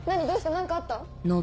何かあった？